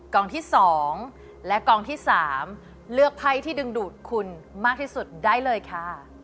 ที่๒และกองที่๓เลือกไพ่ที่ดึงดูดคุณมากที่สุดได้เลยค่ะ